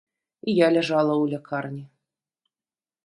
І я ляжала ў лякарні.